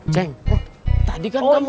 ceng tadi kan kamu